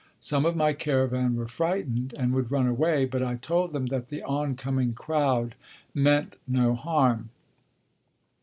Some of my caravan were frightened and would run away, but I told them that the oncoming crowd meant no harm.